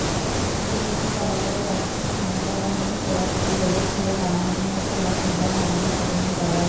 মুক্তিযুদ্ধ চলাকালে পাকিস্তানি হানাদার বাহিনীর ছোড়া গুলি লেগেছিল লালমনিরহাটের বাসিন্দা মোমেনা খাতুনের গলায়।